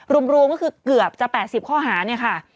รวมก็คือเกือบจะ๘๐ข้อหาเนี่ยค่ะ